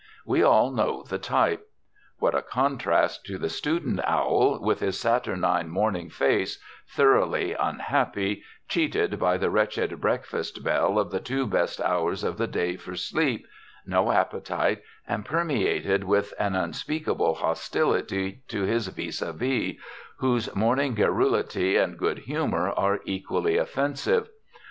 We all know the type. What a contrast to the student owl with his saturnine morning face, thoroughly unhappy, cheated by the wretched breakfast bell of the two best hours of the day for sleep, no appetite, and permeated with an unspeakable hostility to his vis à vis, whose morning garrulity and good humor are equally offensive.